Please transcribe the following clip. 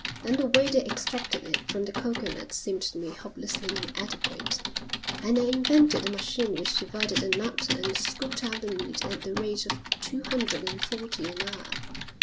Then the way they extracted it from the coconut seemed to me hopelessly inadequate, and I invented a machine which divided the nut and scooped out the meat at the rate of two hundred and forty an hour.